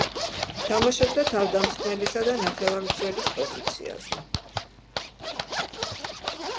თამაშობდა თავდამსხმელისა და ნახევარმცველის პოზიციაზე.